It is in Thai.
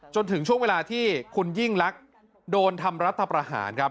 จนถึงช่วงเวลาที่คุณยิ่งลักษณ์โดนทำรัฐประหารครับ